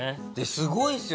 すごいですよ。